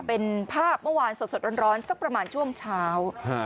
เป็นภาพเมื่อวานสดร้อนสักประมาณช่วงเช้า